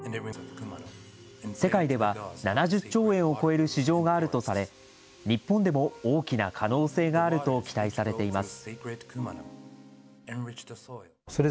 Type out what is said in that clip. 世界では、７０兆円を超える市場があるとされ、日本でも大きな可能性があると期待されています。